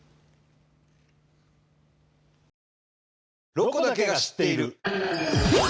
「ロコだけが知っている」。